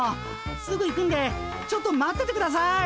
すぐ行くんでちょっと待っててください。